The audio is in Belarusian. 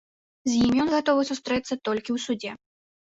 З імі ён гатовы сустрэцца толькі ў судзе.